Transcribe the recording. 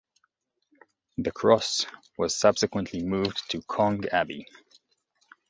The cross was subsequently moved to Cong Abbey.